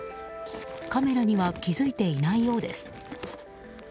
カメラには気づいていないようです。